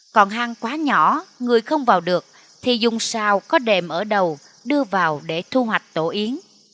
còn hang quá nhỏ người không vào được thì dùng sao có đèm ở đầu đưa vào để thu hoạch tổ yến